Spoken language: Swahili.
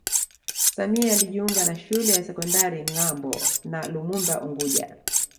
Samia alijiunga na shule ya sekondari Ngambo na Lumumba unguja